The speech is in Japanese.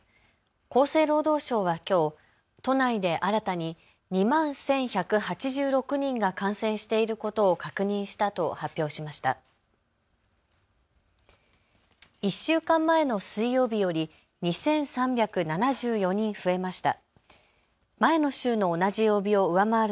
厚生労働省はきょう都内で新たに２万１１８６人が感染していることを確認したと発表しました。